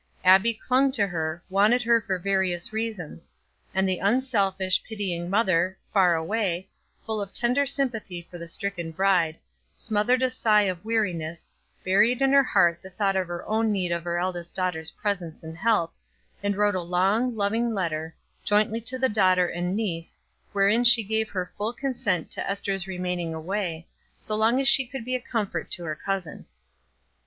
Abbie clung to her, wanted her for various reasons; and the unselfish, pitying mother, far away, full of tender sympathy for the stricken bride, smothered a sigh of weariness, buried in her heart the thought of her own need of her eldest daughter's presence and help, and wrote a long, loving letter, jointly to the daughter and niece, wherein she gave her full consent to Ester's remaining away, so long as she could be a comfort to her cousin.